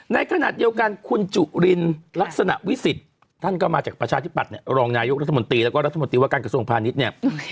ในขณะเดียวกันคุณจุลินลักษณะวิสิทธิ์ท่านก็มาจากประชาธิปัตยเนี่ยรองนายกรัฐมนตรีแล้วก็รัฐมนตรีว่าการกระทรวงพาณิชย์เนี่ย